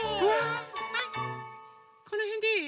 このへんでいい？